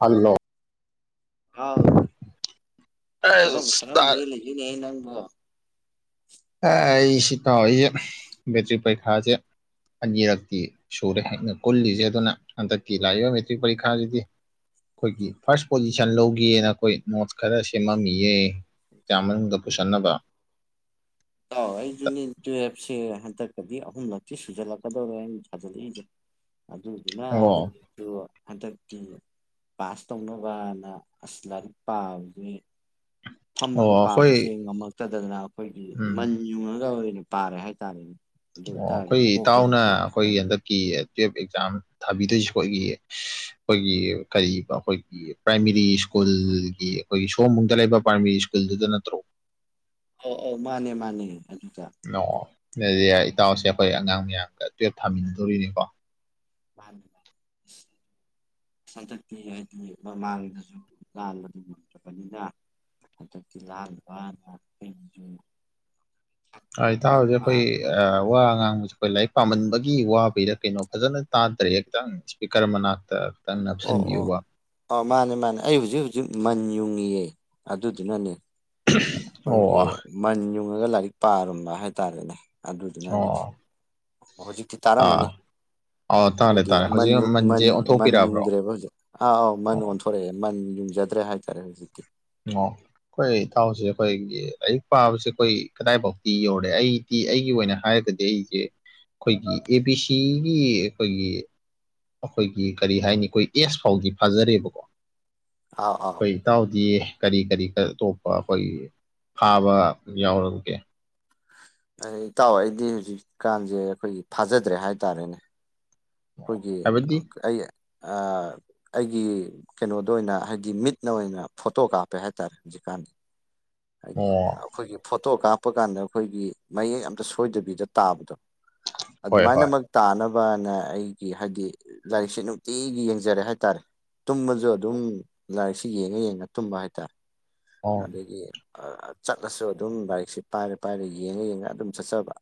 Hello ꯍꯥꯎ ꯀꯔꯝ ꯀꯔꯝ ꯇ [unintelligible] ꯅꯪꯕꯣ ꯑꯥꯏ ꯁꯤ ꯇꯥꯎꯏꯖꯦ ꯕꯦꯇ꯭ꯔꯤꯛ ꯄꯩꯈꯥꯖꯦ ꯑꯅꯤꯔꯛꯇꯤ ꯁꯨꯔꯦ ꯑꯩꯅ ꯀꯨꯜꯂꯤꯖꯦ ꯑꯗꯨꯅ ꯍꯟꯇꯛꯀꯤ ꯂꯥꯛꯏꯕ ꯃꯦꯇ꯭ꯔꯤꯛ ꯄꯔꯤꯈꯥꯁꯤꯗꯤ ꯑꯈꯣꯏꯒꯤ ꯐꯥꯔꯁ ꯄꯣꯖꯤꯁꯟ ꯂꯧꯒꯦꯅ ꯑꯩꯈꯣꯏ ꯅꯣꯠꯁ ꯈꯔ ꯁꯦꯝꯃꯝꯃꯤꯌꯦ ꯑꯦꯛꯖꯥꯝ ꯃꯅꯨꯡꯗ ꯗ ꯄꯨꯁꯟꯅꯕ ꯇꯥꯎ ꯑꯗꯨꯅꯦ ꯇꯨꯌꯦꯞꯁꯦ ꯍꯟꯇꯛ ꯀꯗꯤ ꯑꯍꯨꯝꯂꯛꯇꯤ ꯁꯨꯖꯜꯂꯛꯀꯗꯧꯔꯦ ꯑꯩꯅ ꯊꯥꯖꯜꯂꯛꯏꯁꯦ ꯑꯗꯨꯗꯨꯅ ꯑꯣ ꯑꯗꯣ ꯍꯟꯇꯛꯇꯤ ꯄꯥꯁ ꯇꯧꯅꯕꯅ ꯑꯁ ꯂꯥꯏꯔꯤꯛ ꯄꯥꯕꯅꯤ ꯑꯣ ꯐꯝꯃꯒ ꯑꯩꯈꯣꯏ ꯄꯥꯕꯁꯦ ꯉꯝꯃꯛꯇꯗꯅ ꯑꯩꯈꯣꯏꯒꯤ ꯎꯝ ꯃꯟ ꯌꯨꯡꯉꯒ ꯑꯣꯏꯅ ꯄꯥꯔꯦ ꯍꯥꯏꯇꯥꯔꯦꯅꯦ ꯑꯗꯨ ꯑꯣ ꯑꯈꯣꯏ ꯑꯣꯏꯇꯥꯔꯒꯗꯤ ꯀꯣꯛꯇꯁꯨ ꯏꯇꯥꯎꯅ ꯈꯔ ꯈꯔ ꯑꯈꯣꯏꯒꯤ ꯆꯪꯉꯦ ꯍꯟꯗꯛ ꯀꯤ ꯇꯨꯋꯦꯞ ꯑꯦꯛꯖꯥꯝ ꯊꯥꯕꯤꯗꯣꯏꯁꯤ ꯈꯣꯢꯒꯤ ꯑꯈꯣꯏꯒꯤ ꯀꯩꯕ ꯑꯩꯈꯣꯏ ꯒꯤ ꯄ꯭ꯔꯥꯏꯃꯥꯔꯤ ꯁ꯭ꯀꯨꯜꯒꯤ ꯑꯈꯣꯏꯒꯤ ꯁꯑꯣꯝꯕꯨꯡꯗ ꯂꯩꯕ ꯄ꯭ꯔꯥꯏꯃꯥꯔꯤ ꯁ꯭ꯀꯨꯜꯗꯨꯗ ꯅꯠꯇ꯭ꯔꯣ ꯑ ꯑꯧ ꯃꯥꯅꯦ ꯃꯥꯅꯦ ꯑꯗꯨꯗ ꯑꯣ ꯑꯗꯨꯗꯤ ꯏꯇꯥꯎꯁꯦ ꯑꯈꯣꯏ ꯑꯉꯥꯡ ꯃꯌꯥꯝꯒ ꯇꯨꯌꯦꯜꯞ ꯊꯥꯃꯤꯟꯅꯗꯣꯔꯤꯅꯤꯀꯣ [unintelligible] ꯁꯟꯗꯛꯇꯤ ꯍꯥꯏꯗꯤ ꯃꯃꯥꯡꯗꯁꯨ ꯂꯥꯟ ꯑꯗꯨꯝ ꯆꯠꯄꯅꯤꯅ ꯍꯟꯇꯛꯇꯤ ꯂꯥꯟ ꯄꯥꯡꯕ ꯂꯩꯇ꯭ꯔꯦ ꯑꯥ ꯏꯇꯥꯎꯖꯦ ꯑꯩꯈꯣꯏ ꯑꯥ ꯍꯥꯏꯇꯥꯔꯦ ꯋꯥ ꯉꯥꯡꯕꯁꯤ ꯑꯈꯣꯏ ꯂꯥꯏꯔꯤꯛ ꯄꯥꯃꯟꯕꯒꯤ ꯋꯥꯕꯩꯗ ꯀꯩꯅꯣ ꯐꯖꯅ ꯇꯥꯗ꯭ꯔꯦ ꯈꯤꯇꯪ ꯏꯁꯄꯤꯀꯔ ꯃꯅꯥꯛꯇ ꯈꯤꯇꯪ ꯅꯞꯁꯤꯟꯕꯤꯌꯨꯕ ꯑ ꯃꯥꯅꯦ ꯃꯥꯅꯦ ꯑꯩ ꯍꯨꯖꯤꯛ ꯍꯨꯖꯤꯛ ꯃꯟ ꯌꯨꯡꯉꯤꯌꯦ ꯑꯗꯨꯗꯨꯅꯅꯦ ꯑꯈꯣꯏꯒꯤ ꯑꯣ ꯃꯟ ꯌꯨꯡꯉꯒ ꯂꯥꯏꯔꯤꯛ ꯄꯥꯔꯝꯕ ꯍꯥꯏꯇꯥꯔꯦꯅꯦ ꯑꯗꯨꯗꯨꯅꯅꯤ ꯑꯣ ꯍꯨꯖꯤꯛꯇꯤ ꯑꯥ ꯇꯥꯔꯝꯃꯅꯤ ꯑꯥ ꯇꯥꯔꯦ ꯍꯥꯏꯗꯤ ꯇꯥꯔꯦ ꯃꯟ ꯍꯧꯖꯤꯛ ꯌꯨꯡ ꯃꯟ ꯃꯟꯁꯦ ꯃꯟ ꯑꯣꯟꯊꯣꯛꯄꯤꯔꯛꯑꯕ꯭ꯔꯣ ꯌꯨꯡꯗ꯭ꯔꯦꯕ ꯍꯨꯖꯤꯛ ꯑꯥ ꯑꯥꯎ ꯃꯟ ꯑꯣ ꯑꯣꯟꯊꯣꯛ ꯔꯛꯑꯦ ꯃꯟ ꯌꯨꯡꯖꯗ꯭ꯔꯦ ꯍꯥꯏꯇꯥꯔꯦ ꯍꯨꯖꯤꯛꯇꯤ ꯑꯣ ꯑꯈꯣꯏ ꯏ ꯊꯥꯎꯁꯤ ꯑꯩꯈꯣꯏꯒꯤ ꯑꯌꯨꯛ ꯄꯥꯕꯁꯦ ꯑꯈꯣꯏ ꯀꯗꯥꯏꯐꯥꯎꯇꯤ ꯌꯧꯔꯦ ꯑꯩ ꯑꯩꯒꯤ ꯑꯣꯏꯅ ꯍꯥꯏꯔꯒꯗꯤ ꯑꯩꯖꯦ ꯑꯩꯈꯣꯏꯒꯤ ꯑꯦ ꯕꯤ ꯁꯤꯒꯤ ꯑꯩꯈꯣꯏꯒꯤ ꯑꯩꯈꯣꯏꯒꯤ ꯀꯔꯤ ꯍꯥꯏꯅꯤ ꯑꯈꯣꯏ ꯑꯦꯁ ꯐꯥꯎꯗꯤ ꯐꯥꯖꯔꯦꯕꯀꯣ ꯑꯥꯎ ꯑꯥꯎ ꯑꯈꯣꯏ ꯏꯇꯥꯎꯗꯤ ꯀꯔꯤ ꯀꯔꯤ ꯑꯇꯣꯞꯄ ꯑꯈꯣꯏ ꯐꯥꯕ ꯌꯥꯎꯔꯕꯒꯦ ꯑ ꯏꯇꯥꯎ ꯑꯩꯗꯤ ꯍꯨꯖꯤꯛꯀꯥꯟꯁꯦ ꯑꯈꯣꯏꯒꯤ ꯐꯥꯖꯗ꯭ꯔꯦ ꯍꯥꯏꯇꯥꯔꯦꯅꯦ ꯑꯣ ꯑꯩꯈꯣꯏꯒꯤ ꯍꯥꯏꯕꯗꯤ ꯑꯩ ꯑ ꯑꯩꯒꯤ ꯀꯩꯅꯣꯗ ꯑꯣꯏꯅ ꯍꯥꯏꯗꯤ ꯃꯤꯠꯅ ꯑꯣꯏꯅ ꯐꯣꯇꯣ ꯀꯥꯞꯄꯦ ꯍꯥꯏꯇꯥꯔꯦ ꯍꯨꯖꯤꯛꯀꯥꯟꯗꯤ ꯑꯣ ꯑꯈꯣꯏꯒꯤ ꯐꯣꯇꯣ ꯀꯥꯞꯄ ꯀꯥꯟꯗ ꯑꯈꯣꯏꯒꯤ ꯃꯌꯦꯛ ꯑꯝꯇ ꯁꯣꯏꯗꯕꯤꯗ ꯇꯥꯕꯗꯣ ꯍꯣꯏ ꯍꯣꯏ ꯑꯗꯨꯃꯥꯏꯅꯃꯛ ꯇꯥꯅꯕꯅ ꯑꯩꯒꯤ ꯍꯥꯏꯗꯤ ꯂꯥꯏꯔꯤꯛꯁꯦ ꯅꯨꯡꯇꯤꯒꯤ ꯌꯦꯡꯖꯔꯦ ꯍꯥꯏꯇꯥꯔꯦ ꯇꯨꯝꯕꯁꯨ ꯑꯗꯨꯝ ꯂꯥꯏꯔꯤꯛꯁꯤ ꯌꯦꯡꯉ ꯌꯦꯡꯉ ꯇꯨꯝꯕ ꯍꯥꯏꯇꯥꯔꯦ ꯑꯣ ꯑꯗꯒꯤ ꯐꯥ ꯆꯠꯂꯁꯨ ꯑꯗꯨꯝ ꯂꯥꯢꯛꯁꯦ ꯄꯥꯏꯔ ꯄꯥꯏꯔ ꯌꯦꯡꯉ ꯌꯦꯡꯉ ꯑꯗꯨꯝ ꯆꯠꯆꯕ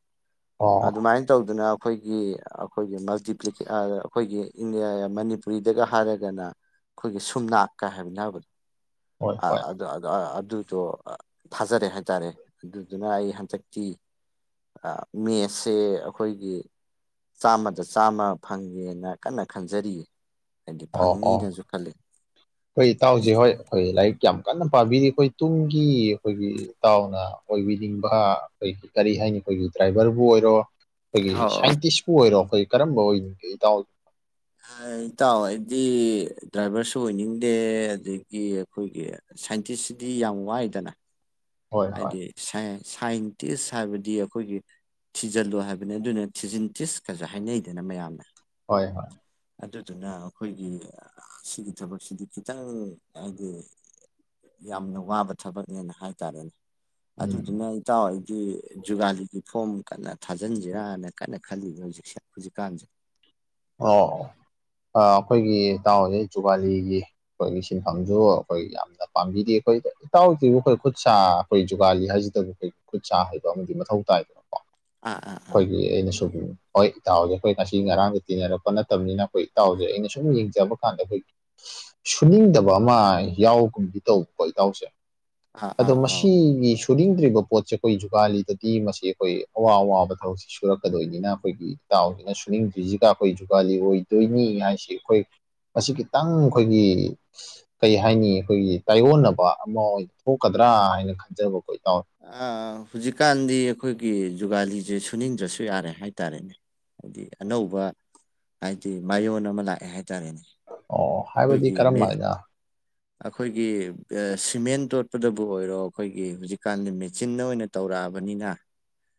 ꯑꯣ ꯑꯗꯨꯃꯥꯏꯟ ꯇꯧꯗꯅ ꯑꯈꯣꯏꯒꯤ ꯑꯈꯣꯏꯒꯤ ꯃꯜꯇꯤꯄ꯭ꯂꯤꯀꯦ ꯑꯥ ꯑꯈꯣꯏꯒꯤ [unintelligible] ꯃꯅꯤꯄꯨꯔꯤꯗꯒ ꯍꯥꯏꯔꯒꯅ ꯑꯈꯣꯏꯒꯤ ꯁꯨꯝꯅꯥꯛꯀ ꯍꯥꯏꯅꯕ ꯍꯣꯏ ꯑ ꯍꯣꯏ ꯑ ꯑꯥ ꯑꯗꯨꯗꯣꯑꯥ ꯐꯥꯖꯔꯦ ꯍꯥꯏꯇꯥꯔꯦ ꯑꯗꯨꯗꯨꯅ ꯑꯩ ꯍꯟꯗꯛꯇꯤ ꯑꯥ ꯃꯦꯁꯁꯦ ꯑꯈꯣꯏꯒꯤ ꯆꯥꯝꯃꯗ ꯆꯥꯝꯃ ꯐꯪꯒꯦꯅ ꯀꯟꯅ ꯈꯟꯖꯔꯤꯌꯦ ꯍꯥꯏꯗꯤ ꯐꯪꯅꯤꯅꯁꯨ ꯈꯜꯂꯤ ꯑꯈꯣꯏ ꯏꯇꯥꯎꯁꯦ ꯍꯣꯏ ꯑꯈꯣꯏ ꯂꯥꯏꯔꯤꯛ ꯌꯥꯝ ꯀꯟꯅ ꯄꯥꯕꯤꯔꯤ ꯑꯈꯣꯏ ꯇꯨꯡꯒꯤ ꯑꯈꯣꯏꯒꯤ ꯏꯇꯥꯎꯅ ꯑꯣꯏꯕꯤꯅꯤꯡꯕ ꯑꯈꯣꯏꯒꯤ ꯀꯔꯤ ꯍꯥꯏꯅꯤ ꯑꯈꯣꯏꯒꯤ ꯗ꯭ꯔꯥꯏꯚꯔꯕꯨ ꯑꯣꯏꯔꯣ ꯑꯈꯣꯏꯒꯤ ꯑꯣ ꯁꯥꯏꯟꯇꯤꯁꯄꯨ ꯑꯣꯏꯔꯣ ꯑꯈꯣꯏ ꯀꯔꯝꯕ ꯑꯣꯏꯅꯤꯡꯢ ꯏꯇꯥꯎ ꯑꯥ ꯏꯇꯥꯎ ꯑꯩꯗꯤ ꯗ꯭ꯔꯥꯏꯚꯔꯁꯨ ꯑꯣꯏꯅꯤꯡꯗꯦ ꯑꯗꯒꯤ ꯑꯈꯣꯏꯒꯤ ꯁꯥꯏꯟꯇꯤꯁꯤꯗꯤ ꯌꯥꯝ ꯋꯥꯏꯗꯅ ꯍꯣꯏ ꯍꯣꯏ ꯑꯩꯗꯤ ꯁꯥꯏ ꯁꯥꯏꯟꯇꯤꯁ ꯍꯥꯏꯕꯗꯤ ꯑꯈꯣꯏꯒꯤ ꯊꯤꯖꯜꯂꯨ ꯍꯥꯏꯕꯅꯦ ꯑꯗꯨꯅ ꯊꯤꯖꯤꯟꯇꯤꯁ ꯀꯖꯨ ꯍꯥꯏꯅꯩꯗꯅ ꯃꯌꯥꯝꯅ ꯍꯣꯏ ꯍꯣꯏ ꯑꯗꯨꯗꯨꯅ ꯑꯈꯣꯏꯒꯤ ꯁꯤꯒꯤ ꯊꯕꯛꯁꯤꯗꯤ ꯈꯤꯇꯪ ꯍꯥꯏꯗꯤ ꯌꯥꯝꯅ ꯋꯥꯕ ꯊꯕꯛꯅꯦꯅ ꯍꯥꯏꯇꯔꯦꯅꯦ ꯎꯝ ꯑꯗꯨꯗꯨꯅ ꯏꯇꯥꯎ ꯑꯩꯗꯤ ꯖꯨꯒꯥꯂꯤꯒꯤ ꯐꯣꯔꯝ ꯀꯟꯅ ꯊꯥꯖꯟꯖꯤꯔꯅ ꯀꯟꯅ ꯈꯜꯂꯤꯕ ꯍꯧꯖꯤꯛꯁꯦ ꯍꯧꯖꯤꯛꯀꯥꯟꯖꯦ ꯑꯣ ꯑꯣ ꯑꯥ ꯑꯈꯣꯏꯒꯤ ꯏꯇꯥꯎꯖꯦ ꯖꯨꯒꯥꯂꯤꯒꯤ ꯈꯣꯏꯒꯤ ꯁꯤꯟꯐꯝꯖꯨ ꯑꯈꯣꯏ ꯌꯥꯝꯅ ꯄꯥꯝꯕꯤꯔꯤ ꯑꯩꯈꯣꯏꯗ ꯏꯇꯥꯎꯖꯤꯕꯨ ꯑꯈꯣꯏ ꯈꯨꯠ ꯁꯥ ꯈꯣꯏ ꯖꯨꯒꯥꯂꯤ ꯍꯥꯏꯖꯤꯗꯕꯨ ꯑꯈꯣꯏ ꯈꯨꯠ ꯁꯥ ꯍꯩꯕ ꯑꯃꯥꯗꯤ ꯃꯊꯧ ꯇꯥꯏꯗꯅ ꯀꯣ ꯑꯥ ꯑꯥ ꯑꯥ ꯈꯣꯏꯒꯤ ꯑꯩꯅꯁꯨꯝ ꯍꯣꯏ ꯏꯇꯥꯎ ꯍꯣꯏꯖꯦ ꯑꯈꯣꯏ ꯉꯁꯤ ꯉꯔꯥꯡ ꯇꯤꯟꯅꯔꯛꯄ ꯅꯠꯇꯕꯅꯤꯅ ꯑꯈꯣꯏ ꯏꯇꯥꯎꯖꯦ ꯑꯩꯅ ꯁꯨꯝ ꯌꯦꯡꯖꯕ ꯀꯥꯟꯗ ꯑꯈꯣꯏ ꯁꯨꯅꯤꯡꯗꯕ ꯑꯃꯥ ꯌꯥꯎꯒꯨꯝꯗꯤ ꯇꯧꯕꯀꯣ ꯏꯇꯥꯎꯖꯦ ꯑꯥ ꯑꯗꯣ ꯑꯥ ꯑꯥꯎ ꯃꯁꯤꯒꯤꯁꯨ ꯁꯨꯅꯤꯡꯗ꯭ꯔꯤꯕ ꯄꯣꯠꯁꯦ ꯈꯣꯏ ꯖꯨꯒꯥꯂꯤꯗꯗꯤ ꯃꯁꯤ ꯑꯈꯣꯏ ꯑꯋꯥ ꯑꯋꯥꯕ ꯊꯕꯛꯁꯤ ꯁꯨꯔꯛꯀꯗꯣꯏꯅꯤꯅ ꯑꯈꯣꯏꯒꯤ ꯏꯇꯥꯎꯖꯤꯅ ꯁꯨꯅꯤꯡꯗ꯭ꯔꯤꯖꯤꯒ ꯈꯣꯏ ꯖꯨꯒꯥꯂꯤ ꯑꯣꯏꯗꯣꯏꯅꯤ ꯍꯥꯏꯁꯤ ꯈꯣꯏ ꯃꯁꯤ ꯈꯤꯇꯪ ꯈꯣꯏꯒꯤ ꯀꯩ ꯍꯥꯏꯅꯤ ꯑꯈꯣꯏꯒꯤ ꯇꯥꯏꯌꯣꯟꯅꯕ ꯑꯃꯥ ꯑꯣꯏꯟ ꯊꯣꯛꯀꯗ꯭ꯔꯥ ꯍꯥꯏꯅ ꯈꯟꯖꯕꯀꯣ ꯏꯇꯥꯎ ꯑ ꯍꯨꯖꯤꯛꯀꯥꯟꯗꯤ ꯑꯈꯣꯏꯒꯤ ꯖꯨꯒꯥꯂꯤꯖꯦ ꯁꯨꯅꯤꯡꯗ꯭ꯔꯁꯨ ꯌꯥꯔꯦ ꯍꯥꯏꯇꯔꯦꯅꯦ ꯑꯥꯏꯗꯤ ꯑꯅꯧꯕ ꯍꯥꯏꯗꯤ ꯃꯌꯣꯟ ꯑꯃꯥ ꯂꯥꯛꯑꯦ ꯍꯥꯏꯇꯔꯦꯅꯦ ꯑꯣ ꯍꯥꯏꯕꯗꯤ ꯀꯔꯝꯃꯥꯏꯅ ꯑꯈꯣꯏꯒꯤ ꯑ ꯁꯤꯃꯦꯟ ꯇꯣꯠꯄꯗꯕꯨ ꯑꯣꯏꯔꯣ ꯑꯈꯣꯏꯒꯤ ꯍꯧꯖꯤꯛ ꯀꯥꯟꯗꯤ ꯃꯦꯆꯤꯟꯅ ꯑꯣꯏꯅ ꯇꯧꯔꯛꯑꯕꯅꯤꯅ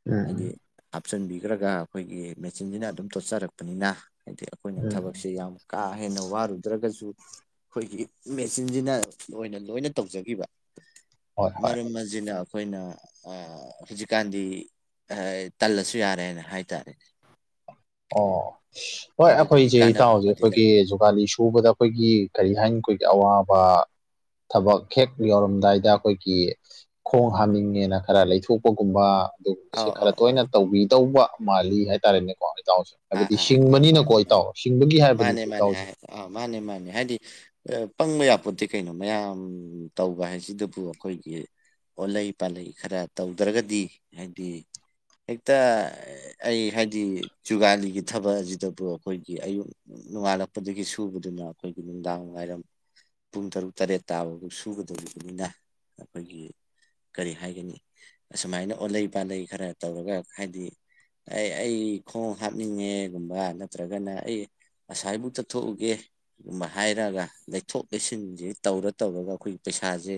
ꯎꯝ ꯍꯥꯏꯗꯤ ꯍꯥꯞꯆꯤꯟꯕꯤꯒ꯭ꯔꯒ ꯑꯈꯣꯏꯒꯤ ꯃꯦꯆꯤꯟꯖꯤꯅ ꯑꯗꯨꯝ ꯇꯣꯠꯆꯔꯛꯄꯅꯤꯅ ꯍꯥꯏꯗꯤ ꯑꯈꯣꯏꯅ ꯎꯝ ꯊꯕꯛꯁꯦ ꯌꯥꯝ ꯀꯥ ꯍꯦꯟꯅ ꯋꯥꯔꯨꯗ꯭ꯔꯒꯖꯨ ꯈꯣꯏꯒꯤ ꯃꯦꯆꯤꯟꯖꯤꯅ ꯑꯣꯏꯅ ꯂꯣꯏꯅ ꯇꯧꯖꯒꯤꯕ ꯍꯣꯏ ꯍꯣꯏ ꯃꯔꯝ ꯃ ꯖꯤꯅ ꯑꯈꯣꯏꯅ ꯑ ꯑ ꯍꯨꯖꯤꯛꯀꯥꯟꯗꯤ ꯑꯍ ꯇꯜꯂꯁꯨ ꯌꯥꯔꯦꯅ ꯍꯥꯏꯇꯔꯦꯅꯦ ꯑꯣ ꯍꯣꯏ ꯑꯗꯨꯗꯨꯒꯤ ꯑꯈꯣꯏꯖꯦ ꯀꯥꯟꯅꯕ ꯏꯇꯥꯎꯖꯦ ꯑꯃꯗꯤ ꯂꯩ ꯑꯈꯣꯏꯒꯤ ꯖꯨꯒꯥꯂꯤ ꯁꯨ ꯎꯕꯗ ꯑꯈꯣꯏꯒꯤ ꯀꯔꯤ ꯍꯥꯏꯅꯤ ꯑꯈꯣꯏꯒꯤ ꯑꯋꯥꯕ ꯊꯕꯛ ꯍꯦꯛ ꯌꯧꯔꯝꯗꯥꯏꯗ ꯑꯈꯣꯏꯒꯤ ꯈꯣꯡ ꯍꯥꯝꯅꯤꯡꯉꯦꯅ ꯈꯔ ꯂꯩꯊꯣꯛꯄꯒꯨꯝꯕ ꯇꯨꯒꯨꯝꯕꯁꯤ ꯑꯧ ꯈꯔ ꯑꯧ ꯑꯧ ꯇꯣꯏꯅ ꯇꯧꯕꯤꯗꯧꯕ ꯃꯥꯜꯂꯤ ꯍꯥꯏꯇꯔꯦꯅꯦꯀꯣ ꯏꯇꯥꯎꯖꯦ ꯑꯥ ꯍꯥꯏꯕꯗꯤ ꯑꯥ ꯑꯥ ꯁꯤꯡꯕꯅꯤꯅꯀꯣ ꯃꯥꯅꯦ ꯃꯥꯅꯦ ꯏꯇꯥꯎ ꯁꯤꯡꯕꯒꯤ ꯃꯥꯅꯦ ꯍꯥꯏꯕꯅꯤꯀꯣ ꯃꯥꯅꯦ ꯏꯇꯥꯎꯖꯦ ꯍꯥꯏ ꯑꯥ ꯃꯥꯅꯦ ꯃꯥꯅꯦ ꯍꯥꯏꯗꯤ ꯑ ꯄꯪꯕ ꯌꯥꯄꯣꯠꯇꯦ ꯀꯩꯅꯣ ꯃꯌꯥꯝ ꯇꯧꯕ ꯍꯥꯏꯖꯤꯗꯕꯨ ꯑꯈꯣꯏꯒꯤ ꯑꯣꯠꯂꯩ ꯄꯥꯜꯂꯩ ꯈꯔ ꯇꯧꯗ꯭ꯔꯒꯗꯤ ꯍꯥꯏꯗꯤ ꯍꯦꯛꯇ ꯑꯩ ꯍꯥꯏꯗꯤ ꯖꯨꯒꯥꯂꯤꯒꯤ ꯊꯕꯛ ꯑꯖꯤꯗꯕꯨ ꯑꯈꯣꯏꯒꯤ ꯑꯌꯨꯛ ꯅꯣꯡꯉꯥꯜꯂꯛꯄꯗꯒꯤ ꯁꯨꯕꯗꯨꯅ ꯑꯈꯣꯏꯒꯤ ꯅꯨꯡꯗꯥꯡ ꯋꯥꯏꯔꯝ ꯄꯨꯡ ꯇꯔꯨꯛ ꯇꯔꯦꯠ ꯇꯥꯕꯕꯧ ꯁꯨꯒꯗꯧꯔꯤꯕꯅꯤꯅ ꯑꯈꯣꯏꯒꯤ ꯀꯔꯤ ꯍꯥꯏꯒꯅꯤ ꯑꯁꯨꯃꯥꯏꯅ ꯑꯣꯜꯂꯩ ꯄꯥꯠꯂꯩ ꯈꯔ ꯇꯧꯔꯒ ꯍꯥꯏꯗꯤ ꯑꯩ ꯑꯩ ꯈꯣꯡ ꯍꯥꯞꯅꯤꯡꯉꯦꯒꯨꯝꯕ ꯅꯠꯇ꯭ꯔꯒꯅ ꯑꯩ ꯉꯁꯥꯏꯕꯨꯛ ꯆꯠꯊꯣꯛꯎꯒꯦ ꯨꯃ ꯍꯥꯏꯔꯒ ꯂꯩꯊꯣꯛ ꯂꯩꯁꯤꯟꯖꯦ ꯇꯧꯔ ꯇꯧꯔꯒ ꯑꯈꯣꯏꯒꯤ ꯄꯩꯁꯥꯖꯦ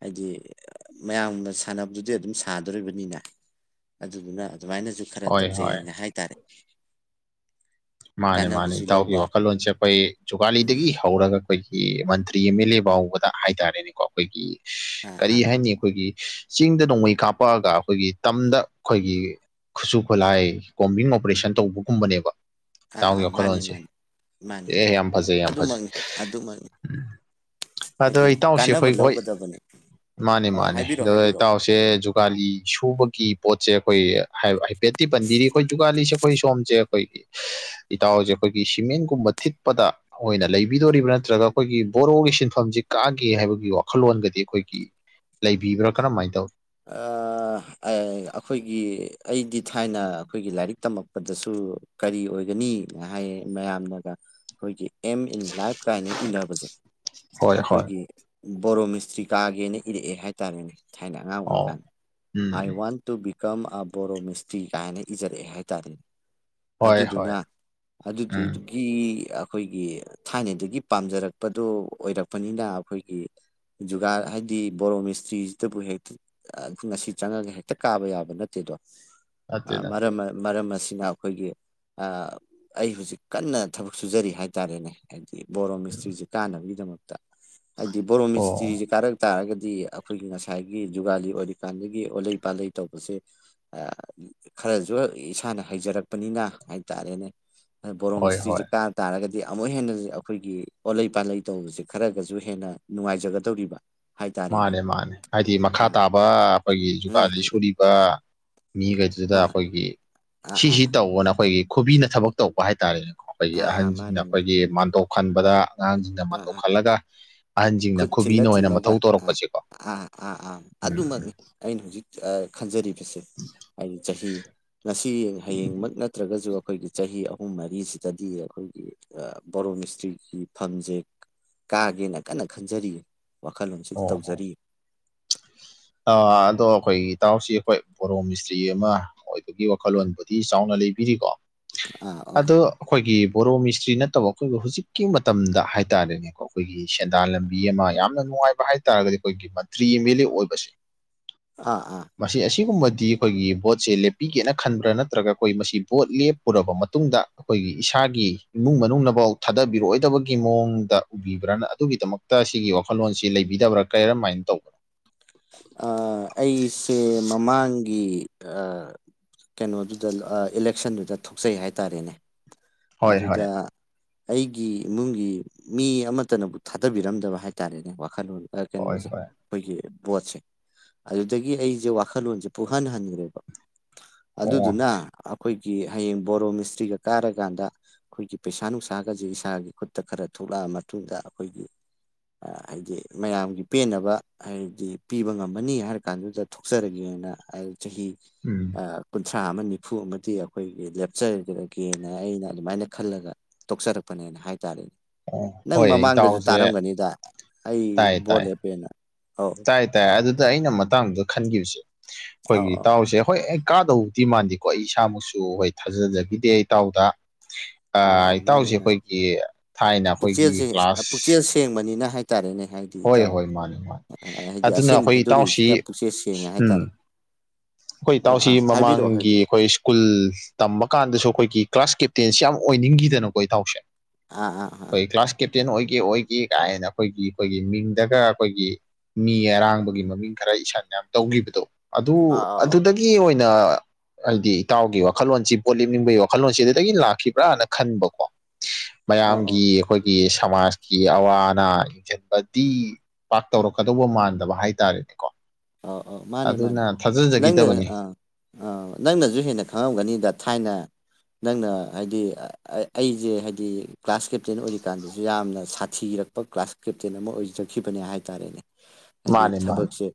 ꯍꯥꯏꯗꯤ ꯃꯌꯥꯝꯅ ꯁꯥꯟꯅꯕꯗꯨꯗꯤ ꯑꯗꯨꯝ ꯁꯥꯗꯣꯔꯤꯕꯅꯤꯅ ꯑꯗꯨꯗꯨꯅ ꯑꯗꯨꯃꯥꯏꯅꯖꯨ ꯈꯔ ꯍꯣꯏ ꯍꯣꯏ ꯇꯧꯖꯩꯅ ꯍꯥꯏꯇꯔꯦ ꯃꯥꯅꯦ ꯃꯥꯅꯦ ꯏꯇꯥꯎꯒꯤ ꯋꯥꯈꯜꯂꯣꯟꯁꯦ ꯑꯈꯣꯏ ꯎꯝ ꯖꯣꯒꯥꯂꯤꯗꯒꯤ ꯍꯧꯔꯒ ꯑꯈꯣꯏꯒꯤ ꯃꯟꯇ꯭ꯔꯤ ꯑꯦꯝ ꯑꯦꯜ ꯑꯦ ꯕꯥꯎꯕꯗ ꯍꯥꯏꯇꯥꯔꯦꯅꯦꯀꯣ ꯑꯈꯣꯏꯒꯤ ꯑꯥ ꯀꯔꯤ ꯑꯥ ꯍꯥꯏꯅꯤ ꯑꯈꯣꯏꯒꯤ ꯆꯤꯡꯗ ꯅꯣꯡꯃꯩ ꯀꯥꯞꯄꯛꯑꯒ ꯑꯈꯣꯏꯒꯤ ꯇꯝꯗ ꯑꯈꯣꯏꯒꯤ ꯈꯨꯠꯁꯨ ꯈꯨꯠꯂꯥꯏ ꯀꯣꯝꯕꯤꯡ ꯑꯣꯄꯦꯔꯦꯁꯟ ꯇꯧꯕꯒꯨꯝꯕꯅꯦꯕ ꯑꯥ ꯇꯥꯎꯒꯤ ꯑꯥ ꯃꯥꯅꯤ ꯋꯥꯈꯜꯂꯣꯟꯁꯦ ꯃꯥꯅꯤ ꯃꯥꯅꯤ ꯑꯦ ꯃꯥꯅꯤ ꯌꯥꯝ ꯐꯖꯩ ꯌꯥꯝ ꯐꯖꯩ ꯑꯗꯨꯃꯛꯅꯤ ꯑꯗꯨꯃꯛꯅꯤ ꯎꯝ ꯑꯗꯣ ꯍꯥꯏꯗꯤ ꯏꯇꯥꯎꯁꯦ ꯀꯥꯟꯅꯕ ꯑꯈꯣꯏ ꯍꯣꯏ ꯂꯧꯒꯗꯕꯅꯤ ꯃꯥꯅꯤ ꯑꯣ ꯃꯥꯅꯤ ꯍꯥꯏꯕꯤꯔꯣ ꯑꯗꯣ ꯍꯥꯏꯕꯤꯔꯣ ꯏꯇꯥꯎꯁꯦ ꯖꯨꯛ ꯒꯥꯂꯤ ꯁꯨꯕꯒꯤ ꯄꯣꯠꯁꯦ ꯑꯈꯣꯏ ꯍꯥꯏ ꯍꯥꯢꯐꯦꯠꯇꯤ ꯄꯟꯕꯤꯔꯤ ꯑꯈꯣꯏ ꯖꯨꯒꯥꯂꯤꯁꯦ ꯑꯈꯣꯏ ꯁꯣꯝꯖꯦ ꯑꯈꯣꯏꯒꯤ ꯏꯇꯥꯎꯖꯦ ꯑꯈꯣꯏꯒꯤ ꯁꯤꯃꯦꯟꯠꯒꯨꯝꯕ ꯊꯤꯠꯄꯗ ꯑꯣꯏꯅ ꯂꯩꯕꯤꯗꯣꯔꯤꯕ꯭ꯔꯥ ꯅꯠꯇ꯭ꯔꯒ ꯑꯈꯣꯏꯒꯤ ꯕꯣꯔꯣꯒꯤ ꯁꯤꯟꯐꯝꯖꯤ ꯀꯥꯒꯦ ꯍꯥꯏꯕꯒꯤ ꯋꯥꯈꯜꯂꯣꯟꯒꯗꯤ ꯑꯈꯣꯏꯒꯤ ꯂꯩꯕꯤꯕ꯭ꯔꯥ ꯀꯔꯝꯃꯥꯢ ꯇꯧ ꯑ ꯑꯩ ꯑꯈꯣꯏꯒꯤ ꯑꯩꯗꯤ ꯊꯥꯏꯅ ꯑꯈꯣꯏꯒꯤ ꯂꯥꯏꯔꯤꯛ ꯇꯝꯃꯛꯄꯗꯁꯨ ꯀꯔꯤ ꯑꯣꯏꯒꯅꯤ ꯍꯥꯏꯌꯦ ꯃꯌꯥꯝꯅꯒ ꯑꯈꯣꯏꯒꯤ ꯑꯦꯝ ꯏꯟ ꯂꯥꯏꯐ ꯀꯥꯏꯅ ꯏꯅꯕꯖꯦ ꯍꯣꯏ ꯍꯣꯏ ꯑꯈꯣꯏꯒꯤ ꯕꯣꯔꯣ ꯃꯤꯁꯇ꯭ꯔꯤ ꯀꯥꯒꯦꯅ ꯏꯔꯛꯑꯦ ꯍꯥꯏꯇꯥꯔꯦꯅꯦ ꯊꯥꯏꯅ ꯑꯉꯥꯡ ꯑꯣ ꯀꯥꯟ um I um want to become a ꯕꯣꯔꯣ ꯃꯤꯁꯇ꯭ꯔꯤ ꯀꯥꯏꯅ ꯏꯖꯔꯛꯑꯦ ꯍꯥꯏꯇꯥꯔꯦꯅꯦ ꯍꯣꯏ ꯑꯗꯨꯗꯨꯅ ꯍꯣꯏ ꯎꯝ ꯑꯗꯨꯗꯨꯢꯗꯨꯒꯤ ꯒꯤ ꯑꯈꯣꯏꯒꯤ ꯊꯥꯏꯅꯗꯒꯤ ꯄꯥꯝꯖꯔꯛꯄꯗꯣ ꯑꯣꯏꯔꯛꯄꯅꯤꯅ ꯑꯈꯣꯏꯒꯤ ꯖꯨꯒꯥꯔ ꯍꯥꯏꯗꯤ ꯕꯣꯔꯣꯃꯤꯁꯇ꯭ꯔꯤꯖꯤꯗꯕꯨ ꯍꯦꯛꯇ ꯑ ꯉꯁꯤ ꯆꯪꯉꯒ ꯍꯦꯛꯇ ꯀꯥꯕ ꯌꯥꯕ ꯅꯠꯇꯦꯗꯣ ꯅꯠꯇꯦ ꯑ ꯅꯠꯇꯦ ꯃꯔꯝꯃ ꯃꯔꯝ ꯑꯁꯤꯅ ꯑꯈꯣꯏꯒꯤ ꯑ ꯑꯩ ꯍꯧꯖꯤꯛ ꯀꯟꯅ ꯊꯕꯛ ꯁꯨꯖꯔꯤ ꯍꯥꯏꯇꯥꯔꯦꯅꯦ ꯍꯥꯏꯗꯤ ꯕꯣꯔꯣ ꯎꯝ ꯃꯤꯁꯇ꯭ꯔꯤꯖꯦ ꯀꯥꯟꯅꯕꯒꯤꯗꯃꯛꯇ ꯍꯥꯏꯗꯤ ꯕꯣꯔꯣ ꯃꯤꯁꯇ꯭ꯔꯤꯖꯦ ꯑꯣ ꯀꯥꯔꯛ ꯇꯥꯔꯒꯗꯤ ꯑꯈꯣꯏꯒꯤ ꯉꯁꯥꯏꯒꯤ ꯖꯨꯒꯥꯂꯤ ꯑꯣꯏꯔꯤꯀꯥꯟꯗꯒꯤ ꯑꯣꯠꯂꯩ ꯄꯥꯂꯩ ꯇꯧꯕꯖꯦ ꯑ ꯈꯔꯖꯨ ꯏꯁꯥꯅ ꯍꯩꯖꯔꯛꯄꯅꯤꯅ ꯍꯥꯏꯇꯥꯔꯦꯅꯦ ꯕꯣꯔꯣ ꯍꯣꯏ ꯃꯤꯁꯇ꯭ꯔꯤꯖꯦ ꯍꯣꯏ ꯀꯥ ꯇꯥꯔꯒꯗꯤ ꯑꯃꯨꯛ ꯍꯦꯟꯅꯖꯨ ꯑꯈꯣꯏꯒꯤ ꯑꯣꯠꯂꯩ ꯄꯥꯂꯩ ꯇꯧꯕꯖꯦ ꯈꯔꯒꯖꯨ ꯍꯦꯟꯅ ꯅꯨꯡꯉꯥꯏꯖꯒꯗꯧꯔꯤꯕ ꯍꯥꯏꯇꯥꯔꯦꯅꯦ ꯃꯥꯅꯦ ꯃꯥꯅꯦ ꯍꯥꯏꯗꯤ ꯃꯈꯥ ꯑꯥ ꯇꯥꯕ ꯑꯈꯣꯏꯒꯤ ꯎꯝ ꯖꯨꯒꯥꯂꯤ ꯁꯨꯔꯤꯕ ꯃꯤꯒꯩ ꯖꯤꯗ ꯑꯥ ꯑꯈꯣꯏꯒꯤ ꯑꯥ ꯑꯥ ꯁꯤꯁꯤ ꯇꯧꯕꯅ ꯑꯈꯣꯏꯒꯤ ꯈꯨꯕꯤꯅ ꯊꯕꯛ ꯇꯧꯕ ꯍꯥꯏꯇꯥꯔꯦꯅꯦꯀꯣ ꯑꯈꯣꯏꯒꯤ ꯑꯥ ꯑꯥ ꯑꯍꯟꯖꯤꯡꯅ ꯃꯥꯅꯦ ꯃꯥꯅꯦ ꯑꯈꯣꯏꯒꯤ ꯃꯥꯟꯇꯣꯞ ꯈꯟꯕꯗ ꯑꯉꯥꯡꯖꯤꯡꯅ ꯑꯥ ꯑꯥ ꯃꯥꯟꯇꯣꯞ ꯈꯜꯂꯒ ꯑꯍꯟꯖꯤꯡꯅ ꯈꯨꯕꯤꯅ ꯑꯣꯏꯅ ꯃ ꯌꯥ ꯑꯥ ꯑꯥ ꯑꯥ ꯑꯥ ꯎꯝ ꯑꯗꯨꯃꯛꯅꯤ ꯑꯩꯅ ꯍꯨꯖꯤꯛ ꯑ ꯈꯟꯖꯔꯤꯕꯁꯦ ꯑꯩ ꯆꯍꯤ ꯉꯁꯤ ꯍꯌꯦꯡꯃꯛ ꯅꯠꯇ꯭ꯔꯒꯖꯨ ꯑꯈꯣꯏꯒꯤ ꯆꯍꯤ ꯑꯍꯨꯝ ꯃꯔꯤꯁꯤꯗꯗꯤ ꯑꯈꯣꯏꯒꯤ ꯑ ꯕꯣꯔꯣ ꯃꯤꯁꯇ꯭ꯔꯤꯒꯤ ꯐꯝꯖꯦ ꯀꯥꯒꯦꯅ ꯀꯟꯅ ꯈꯟꯖꯔꯤꯌꯦ ꯋꯥꯈꯜꯂꯣꯟꯁꯤꯗ ꯇꯧꯖꯔꯤꯌꯦ ꯑ ꯑꯗꯣ ꯑꯈꯣꯏꯒꯤ ꯏꯇꯥꯎꯁꯤ ꯑꯈꯣꯏ ꯕꯣꯔꯣ ꯃꯤꯁꯇ꯭ꯔꯤ ꯑꯃ ꯑꯣꯏꯕꯒꯤ ꯋꯥꯈꯜꯂꯣꯟꯕꯨꯗꯤ ꯆꯥꯎꯅ ꯂꯩꯕꯤꯔꯤꯀꯣ ꯑꯥ ꯑꯥ ꯑꯗꯣ ꯑꯈꯣꯏꯒꯤ ꯕꯣꯔꯣ ꯃꯤꯁꯇ꯭ꯔꯤ ꯅꯠꯇꯕ ꯑꯈꯣꯏꯒꯤ ꯍꯨꯖꯤꯛꯀꯤ ꯃꯇꯝꯗ ꯍꯥꯏꯇꯥꯔꯦꯅꯦꯀꯣ ꯑꯈꯣꯏꯒꯤ ꯁꯦꯟꯗꯥꯟ ꯂꯝꯕꯤ ꯑꯃ ꯌꯥꯝꯅ ꯅꯨꯡꯉꯥꯏꯕ ꯍꯥꯏꯇꯥꯥꯔꯒꯗꯤ ꯑꯈꯣꯏꯒꯤ ꯃꯟꯇ꯭ꯔꯤ ꯑꯦꯝ ꯑꯦꯜ ꯑꯦ ꯑꯣꯏꯕꯁꯦ ꯑꯥ ꯑꯥ ꯃꯁꯤ ꯑꯁꯤꯒꯨꯝꯕꯗꯤ ꯑꯈꯣꯏꯒꯤ ꯚꯣꯠꯁꯦ ꯂꯦꯞꯄꯤꯒꯦꯅ ꯈꯟꯕ꯭ꯔꯥ ꯅꯠꯇ꯭ꯔꯒ ꯑꯈꯣꯏ ꯃꯁꯤ ꯚꯣꯠ ꯂꯦꯞꯄꯨꯔꯕ ꯃꯇꯨꯡꯗ ꯑꯈꯣꯏꯒꯤ ꯏꯁꯥꯒꯤ ꯏꯃꯨꯡ ꯃꯅꯨꯡꯅꯕꯣꯛ ꯊꯥꯗꯕꯤꯔꯛꯑꯣꯏꯗꯕꯒꯤ ꯃꯋꯣꯡꯗ ꯎꯕꯤꯕ꯭ꯔꯥꯅ ꯑꯗꯨꯒꯤꯗꯃꯛ ꯇ ꯁꯤꯒꯤ ꯋꯥꯈꯜꯂꯣꯟꯁꯤ ꯂꯩꯕꯤꯗꯕ꯭ꯔꯥ ꯀꯔꯝꯃꯥꯏꯟ ꯇꯧ ꯑ ꯑꯩꯁꯦ ꯃꯃꯥꯡꯒꯤ ꯑ ꯀꯩꯅꯣꯗꯨꯗ ꯑ ꯏꯂꯦꯛꯁꯟꯗꯨꯗ ꯊꯣꯛꯆꯩ ꯍꯥꯏꯇꯥꯔꯦꯅꯦ ꯍꯣꯏ ꯍꯣꯏ ꯑꯗꯨꯗ ꯑꯩꯒꯤ ꯏꯃꯨꯡꯒꯤ ꯃꯤ ꯑꯃꯠꯇꯅꯕꯨ ꯊꯥꯗꯕꯤꯔꯝꯗꯕ ꯍꯥꯏꯇꯥꯔꯦꯅꯦ ꯋꯥꯈꯟ ꯑ ꯍꯣꯏ ꯀꯩꯅꯣꯖꯦ ꯍꯣꯏ ꯑꯈꯣꯏꯒꯤ ꯚꯣꯠꯁꯦ ꯑꯗꯨꯗꯒꯤ ꯑꯩꯁꯦ ꯋꯥꯈꯜꯂꯣꯟꯁꯦ ꯄꯨꯍꯟ ꯍꯟꯈ꯭ꯔꯦꯕ ꯑꯣ ꯑꯗꯨꯗꯨꯅ ꯑꯞ ꯈꯣꯏꯒꯤ ꯍꯌꯦꯡ ꯕꯣꯔꯣ ꯃꯤꯁꯇ꯭ꯔꯤꯒ ꯀꯥꯔꯀꯥꯟꯗ ꯑꯩꯈꯣꯏꯒꯤ ꯄꯩꯁꯥ ꯅꯨꯡꯁꯥꯒꯁꯦ ꯏꯁꯥꯒꯤ ꯈꯨꯠꯇ ꯈꯔ ꯊꯣꯛꯂꯛꯑ ꯃꯇꯨꯡꯗ ꯑꯈꯣꯏꯒꯤ ꯍꯥꯏꯗꯤ ꯃꯌꯥꯝꯒꯤ ꯄꯦꯟꯅꯕ ꯍꯥꯏꯔꯗꯤ ꯄꯤꯕ ꯉꯝꯃꯅꯤ ꯍꯥꯏꯔꯀꯥꯟꯗꯨꯗ ꯊꯣꯛꯆꯔꯒꯦꯅ ꯑꯩ ꯆꯍꯤ ꯎꯝ ꯑꯥ ꯀꯨꯟꯊ꯭ꯔꯥ ꯑꯃ ꯅꯤꯐꯨ ꯑꯃꯗꯤ ꯑꯩꯈꯣꯏꯒꯤ ꯂꯦꯞꯆꯈꯗꯒꯦꯅ ꯑꯩꯅ ꯑꯗꯨꯃꯥꯏꯅ ꯈꯜꯂꯒ ꯇꯣꯛꯆꯔꯛꯄꯅꯦꯅ ꯍꯥꯏꯇꯥꯔꯦꯅꯦ ꯑꯣ ꯅꯪ ꯍꯣꯏ ꯃꯃꯥꯡꯗꯁꯨ ꯏꯇꯥꯎꯁꯦ ꯇꯥꯔꯝꯒꯅꯤꯗ ꯑꯩ ꯇꯥꯏ ꯕꯣꯠ ꯇꯥꯏ ꯂꯦꯞꯄꯦꯅ ꯑꯧ ꯇꯥꯏ ꯇꯥꯏ ꯑꯗꯨꯗ ꯑꯩꯅ ꯃꯇꯥꯡꯗꯨꯗ ꯈꯟꯈꯤꯕꯁꯦ ꯑꯧ ꯑꯩꯈꯣꯏꯒꯤ ꯑꯧ ꯇꯥꯎꯁꯦ ꯍꯣꯏ ꯑꯩ ꯀꯥꯗꯧ ꯗꯤ ꯃꯥꯟꯗꯦꯀꯣ ꯑꯩ ꯏꯁꯥꯃꯛꯁꯨ ꯍꯣꯏ ꯊꯥꯖꯖꯒꯤꯗꯦ ꯏꯇꯥꯎꯗ ꯑꯧ ꯑꯥ ꯑꯧ ꯃꯥꯅꯦ ꯏꯇꯥꯎꯁꯦ ꯃꯥꯅꯦ ꯑꯩꯈꯣꯏꯒꯤ ꯊꯥꯏꯅ ꯑꯩꯈꯣꯏꯒꯤ ꯀ꯭ꯂꯥꯁ ꯐꯦꯡꯕꯅꯤꯅ ꯍꯥꯏꯇꯥꯔꯦꯅꯦ ꯍꯥꯏ ꯍꯣꯏ ꯍꯣꯏ ꯃꯥꯅꯤ ꯃꯥꯅꯤ ꯑꯗꯨꯅ ꯑꯁꯦꯡꯕ ꯑꯩꯈꯣꯏ ꯏꯇꯥꯎꯁꯤ ꯍꯥꯏꯗꯣꯔꯛꯏꯁꯤꯅ ꯄꯨꯛꯆꯦꯜ ꯁꯦꯡꯉꯦ ꯎꯝ ꯍꯥꯏꯇꯥꯔꯦ ꯑꯩꯈꯣꯏ ꯑꯥ ꯏꯇꯥꯎꯁꯤ ꯑꯥ ꯍꯥꯏꯕꯤꯔꯛꯑꯣ ꯃꯃꯥꯡꯒꯤ ꯍꯥꯏꯕꯤꯔꯛꯑꯣ ꯑꯩꯈꯣꯏ ꯁ꯭ꯀꯨꯜ ꯇꯝꯕ ꯀꯥꯟꯗꯁꯨ ꯑꯩꯈꯣꯏꯒꯤ ꯀ꯭ꯂꯥꯁ ꯀꯦꯞꯇꯦꯟꯁꯤ ꯌꯥꯝ ꯑꯣꯏꯅꯤꯡꯒꯤꯗꯅꯀꯣ ꯏꯇꯥꯎꯁꯦ ꯑꯥ ꯑꯥ ꯑꯥ ꯈꯣꯏ ꯀ꯭ꯂꯥꯁ ꯀꯦꯞꯇꯦꯟ ꯑꯣꯏꯒꯦ ꯑꯣꯏꯒꯦ ꯀꯥꯏ ꯍꯦꯅ ꯑꯩꯈꯣꯏꯒꯤ ꯑꯩꯈꯣꯏꯒꯤ ꯃꯤꯡꯗꯒ ꯑꯩꯈꯣꯏꯒꯤ ꯃꯤ ꯑꯔꯥꯡꯕꯒꯤ ꯃꯃꯤꯡ ꯈꯔ ꯏꯁꯟ ꯌꯥꯝ ꯇꯧꯒꯤꯕꯗꯣ ꯑꯗꯨ ꯑꯥ ꯑꯥ ꯑꯧ ꯑꯗꯨꯗꯒꯤ ꯑꯣꯏꯅ ꯍꯥꯏꯗꯤ ꯏꯇꯥꯎꯒꯤ ꯋꯥꯈꯜꯂꯣꯟꯁꯤ ꯄꯣꯠ ꯂꯦꯞꯅꯤꯡꯕꯒꯤ ꯋꯥꯈꯜꯂꯣꯟꯁꯤ ꯑꯗꯨꯗꯒꯤ ꯂꯥꯛꯈꯤꯕ꯭ꯔꯥꯅ ꯈꯟꯕꯀꯣ ꯑꯧ ꯃꯌꯥꯝꯒꯤ ꯑꯩꯈꯣꯏꯒꯤ ꯁꯃꯥꯖꯀꯤ ꯑꯋꯥ ꯑꯅꯥ ꯌꯦꯡꯁꯤꯟ ꯕꯗꯤ ꯄꯥꯛ ꯇꯧꯔꯛꯀꯗꯧꯕ ꯃꯥꯟꯗꯕ ꯍꯥꯏꯇꯥꯔꯦꯅꯦꯀꯣ ꯑꯧ ꯑꯧ ꯃꯥꯅꯦ ꯑꯗꯨꯅ ꯊꯥꯖꯖꯒꯤꯗꯕꯅꯤ ꯑ ꯅꯪꯅꯁꯨ ꯍꯦꯟꯅ ꯈꯪꯉꯝꯒꯅꯤꯗ ꯊꯥꯏꯅ ꯅꯪꯅ ꯍꯥꯏꯗꯤ ꯑꯥ ꯑꯩꯁꯦ ꯍꯥꯏꯗꯤ ꯀ꯭ꯂꯥꯁ ꯀꯦꯞꯇꯦꯟ ꯑꯣꯏꯔꯤꯀꯥꯟꯗꯁꯨ ꯌꯥꯝꯅ ꯁꯥꯊꯤꯔꯛ ꯄ ꯀ꯭ꯂꯥꯁ ꯀꯦꯞꯇꯦꯟ ꯑꯃ ꯑꯣꯏꯖꯈꯤꯕꯅꯦ ꯍꯥꯏꯇꯥꯔꯦꯅꯦ [inaudible] ꯍꯥꯏꯗꯤ ꯃꯥꯅꯦ ꯊꯕꯛꯁꯦ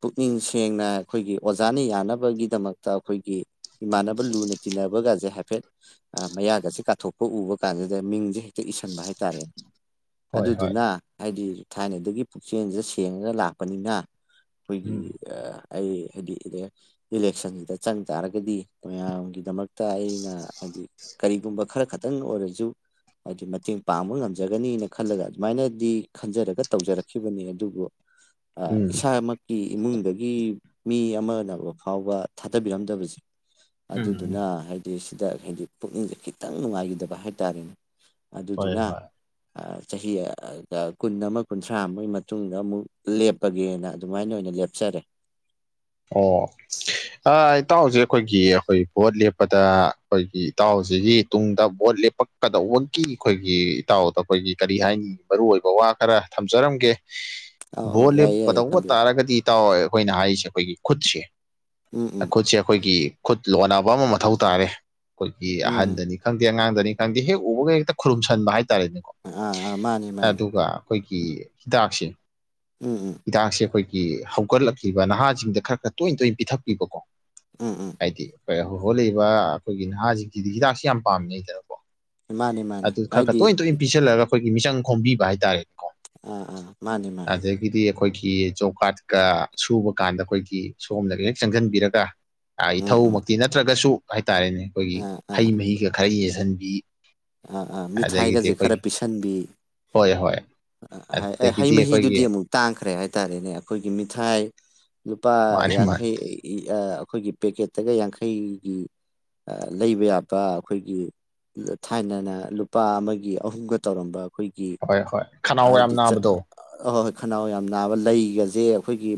ꯄꯨꯛꯅꯤꯡ ꯁꯦꯡꯅ ꯑꯩꯈꯣꯏꯒꯤ ꯑꯣꯖꯥꯅ ꯌꯥꯅꯕꯒꯤꯗꯃꯛꯇ ꯑꯈꯣꯏꯒꯤ ꯏꯃꯥꯟꯅꯕ ꯂꯨꯅ ꯇꯤꯟꯅꯕꯒꯖꯦ ꯍꯥꯏꯐꯦꯠ ꯑꯥ ꯃꯌꯥꯒꯁꯦ ꯀꯥꯊꯣꯛꯄ ꯎꯕꯀꯥꯟꯗꯨꯗ ꯃꯤꯡꯖꯦ ꯍꯦꯛ ꯏꯁꯤꯟꯕ ꯍꯥꯏꯇꯥꯔꯦ ꯍꯣꯏ ꯍꯣꯏ ꯑꯗꯨꯗꯨꯅ ꯍꯥꯏꯗꯤ ꯊꯥꯏꯅꯗꯒꯤ ꯄꯨꯛꯆꯦꯜꯖꯦ ꯁꯦꯡꯉꯒ ꯂꯥꯛꯄꯅꯤꯅ ꯑꯩꯈꯣꯏꯒꯤ ꯎꯝ ꯑꯥ ꯑꯩ ꯍꯥꯏꯗꯤ ꯏꯗꯥ ꯏꯂꯦꯛꯁꯟꯁꯤꯗ ꯆꯪ ꯇꯥꯔꯒꯗꯤ ꯃꯌꯥꯝꯒꯤꯗꯃꯛ ꯇ ꯑꯩꯅ ꯍꯥꯏꯗꯤ ꯀꯔꯤꯒꯨꯝꯕ ꯈꯔ ꯈꯛꯇꯪ ꯑꯣꯏꯔꯖꯨ ꯍꯥꯏꯗꯤ ꯃꯇꯦꯡ ꯄꯥꯡꯕ ꯉꯝꯖꯒꯅꯤꯅ ꯈꯜꯂꯒ ꯑꯗꯨꯃꯥꯏꯅꯗꯤ ꯈꯟꯖꯔꯒ ꯇꯧꯖꯔꯛꯈꯤꯕꯅꯤ ꯑꯗꯨꯕꯨ [inaudible] ꯑꯥ ꯏꯁꯥꯃꯛꯀꯤ ꯏꯃꯨꯡꯗꯒꯤ ꯃꯤ ꯑꯃꯅ ꯐꯥꯎꯕ ꯊꯥꯗꯕꯤꯔꯝꯗꯕꯖꯦ ꯎꯝ ꯎꯝ ꯑꯗꯨꯗꯨꯅ ꯍꯥꯏꯗꯤ ꯁꯤꯗ ꯍꯥꯏꯗꯤ ꯄꯨꯛꯅꯤꯡꯖꯦ ꯈꯤꯇꯪ ꯅꯨꯡꯉꯥꯏꯒꯤꯗꯕ ꯍꯥꯏꯇꯥꯥꯔꯦꯅꯦ ꯍꯣꯏ ꯑꯗꯨꯗꯨꯅ ꯍꯣꯏ ꯑ ꯆꯍꯤ ꯑ ꯒ ꯀꯨꯟ ꯑꯃꯥ ꯀꯨꯟꯊ꯭ꯔꯥ ꯑꯃꯒꯤ ꯃꯇꯨꯡꯗ ꯑꯃꯨꯛ ꯂꯦꯞꯄꯒꯦꯅ ꯑꯗꯨꯃꯥꯏꯅ ꯑꯣꯏꯅ ꯂꯦꯞꯆꯔꯦ꯫ ꯑꯣ ꯑ ꯏꯇꯥꯎꯖꯦ ꯑꯈꯣꯏꯒꯤ ꯑꯈꯣꯏ ꯚꯣꯠ ꯂꯦꯞꯄꯗ ꯑꯈꯣꯏꯒꯤ ꯏꯇꯥꯎꯁꯤꯒꯤ ꯇꯨꯡꯗ ꯚꯣꯠ ꯂꯦꯞꯄꯛ ꯀꯗꯧꯕꯒꯤ ꯑꯈꯣꯏꯒꯤ ꯏꯇꯥꯎꯗ ꯑꯈꯣꯏꯒꯤ ꯀꯔꯤ ꯍꯥꯏꯅꯤ ꯃꯔꯨꯑꯣꯏꯕ ꯋꯥ ꯈꯔ ꯊꯝꯖꯔꯝꯒꯦ ꯑꯧ ꯑꯧ ꯚꯣꯠ ꯌꯥꯏꯌꯦ ꯌꯥꯏꯌꯦ ꯂꯦꯄꯀꯗꯧꯕ ꯊꯝꯕꯤꯌꯨ ꯇꯥꯔꯥꯒꯗꯤ ꯏꯇꯥꯎ ꯑꯩꯈꯣꯏꯅ ꯍꯥꯏꯁꯦ ꯑꯩꯈꯣꯏꯒꯤ ꯈꯨꯠꯁꯦ ꯎꯝ ꯎꯝ ꯈꯨꯠꯁꯦ ꯑꯩꯈꯣꯏꯒꯤ ꯈꯨꯠ ꯂꯣꯟꯅꯕ ꯑꯃ ꯃꯊꯧ ꯇꯥꯔꯦ ꯑꯩꯈꯣꯏꯒꯤ ꯎꯝ ꯎꯝ ꯑꯍꯟꯗꯅꯤ ꯈꯪꯗꯦ ꯑꯉꯥꯡꯗꯅꯤ ꯈꯪꯗꯦ ꯍꯦꯛ ꯎꯕꯒ ꯍꯦꯛꯇ ꯈꯨꯔꯨꯝꯁꯟꯕ ꯍꯥꯏꯇꯥꯔꯦꯅꯦꯀꯣ ꯑꯥ ꯑꯥ ꯃꯥꯅꯤ ꯃꯥꯅꯤ ꯑꯗꯨꯒ ꯑꯩꯈꯣꯏꯒꯤ ꯍꯤꯗꯥꯛꯁꯦ ꯑꯝ ꯍꯝ ꯍꯤꯗꯥꯛꯁꯦ ꯑꯧꯈꯣꯏꯒꯤ ꯍꯧꯒꯠꯂꯛꯂꯤꯕ ꯅꯍꯥꯁꯤꯡꯗ ꯈꯔ ꯈꯔ ꯇꯣꯏ ꯇꯣꯏꯅ ꯄꯤꯊꯛꯄꯤꯕꯀꯣ ꯎꯝ ꯎꯝ ꯍꯥꯏꯗꯤ ꯈꯣꯏ ꯍꯧꯒꯠꯂꯛꯏꯕ ꯑꯩꯈꯣꯏꯒꯤ ꯅꯍꯥꯖꯤꯡꯖꯤꯗꯤ ꯍꯤꯗꯥꯛꯁꯦ ꯌꯥꯝ ꯄꯥꯝꯅꯩꯗꯅꯀꯣ ꯃꯥꯅꯤ ꯃꯥꯅꯤ ꯑꯗꯨ ꯈꯔ ꯈꯔ ꯍꯥꯏꯗꯤ ꯇꯣꯏ ꯇꯣꯏ ꯄꯤꯁꯜꯂꯒ ꯑꯩꯈꯣꯏꯒꯤ ꯃꯤꯆꯪ ꯈꯣꯝꯕꯤꯕ ꯍꯥꯏꯇꯥꯥꯔꯦꯅꯦꯀꯣ ꯎꯝ ꯎꯝ ꯃꯥꯅꯦ ꯃꯥꯅꯦ ꯑꯗꯒꯤꯗꯤ ꯑꯈꯣꯏꯒꯤ ꯖꯣꯕ ꯀꯥꯔꯠꯀ ꯁꯨꯕ ꯀꯥꯟꯗ ꯑꯩꯈꯣꯏꯒꯤ ꯁꯣꯝꯅꯒ ꯍꯦꯛ ꯆꯪꯖꯟꯕꯤꯔꯒ ꯑ ꯎꯝ ꯎꯝ ꯏꯊꯧꯃꯛꯇꯤ ꯅꯠꯇ꯭ꯔꯒꯁꯨ ꯍꯥꯏꯇꯥꯔꯦꯅꯦ ꯑꯩꯈꯣꯏꯒꯤ ꯑꯥ ꯍꯩ ꯑꯥ ꯃꯍꯤꯒ ꯈꯔ ꯌꯦꯟꯖꯤꯟꯕꯤ ꯑꯥ ꯑꯥ ꯃꯤꯊꯥꯏꯒꯁꯦ ꯈꯔ ꯄꯤꯁꯟꯕꯤ ꯍꯣꯏ ꯍꯣꯏ ꯑ ꯑꯥꯏ ꯍꯩ ꯑꯗꯨꯗꯒꯤꯗꯤ ꯑꯩꯈꯣꯏꯒꯤ ꯃꯍꯤꯗꯨꯗꯤ ꯑꯃꯨꯛ ꯇꯥꯡꯈ꯭ꯔꯦ ꯍꯥꯏꯇꯥꯔꯦꯅꯦ ꯑꯩꯈꯣꯏꯒꯤ ꯃꯤꯊꯥꯏ ꯂꯨꯄꯥ ꯃꯥꯅꯤ ꯃꯥꯅꯤ ꯌꯥꯡꯈꯩ ꯏ ꯑ ꯑꯩꯈꯣꯏꯒꯤ ꯄꯦꯀꯦꯠꯇꯒ ꯌꯥꯡꯈꯩꯒꯤ ꯑ ꯂꯩꯕ ꯌꯥꯕ ꯑꯩꯈꯣꯏꯒꯤ ꯊꯥꯏꯅꯅ ꯂꯨꯄꯥ ꯑꯃꯒꯤ ꯑꯍꯨꯝꯒ ꯇꯧꯔꯝꯕ ꯑꯩꯈꯣꯏꯒꯤ ꯍꯣꯏ ꯍꯣꯏ ꯈꯅꯥꯎ ꯌꯥꯝ ꯍꯥꯏꯗꯤ ꯆꯠ ꯅꯥꯕꯗꯣ ꯑꯍꯣꯏ ꯈꯅꯥꯎ ꯌꯥꯝ ꯅꯥꯕ ꯂꯩꯒꯖꯦ ꯑꯩꯈꯣꯏꯒꯤ